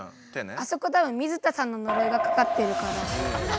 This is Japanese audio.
あそこたぶん水田さんの呪いがかかってるから。